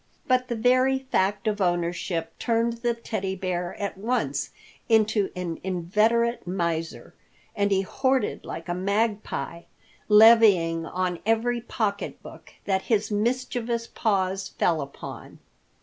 But the very fact of ownership turned the Teddy Bear at once into an inveterate miser, and he hoarded like a magpie, levying on every pocketbook that his mischievous paws fell upon.